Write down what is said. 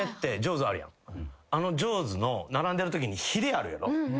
あのＪＡＷＳの並んでるときにヒレあるやろ。